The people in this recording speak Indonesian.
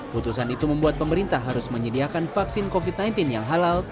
putusan itu membuat pemerintah harus menyediakan vaksin covid sembilan belas yang halal